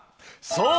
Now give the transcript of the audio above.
そう